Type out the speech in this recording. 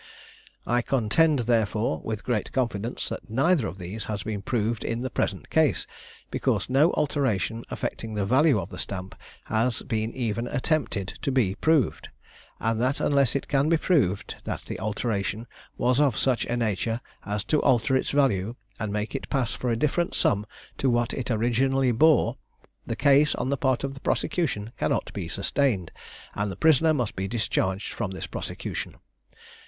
I contend therefore, with great confidence, that neither of these has been proved in the present case, because no alteration affecting the value of the stamp has been even attempted to be proved; and that unless it can be proved that the alteration was of such a nature as to alter its value, and make it pass for a different sum to what it originally bore, the case on the part of the prosecution cannot be sustained, and the prisoner must be discharged from this prosecution.